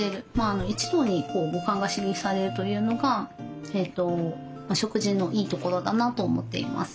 一度に五感が刺激されるというのが食事のいいところだなと思っています。